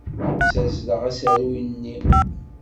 Ssazzleɣ asaru-nni.